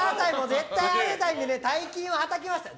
絶対に当てたいので大金をはたきましたよ。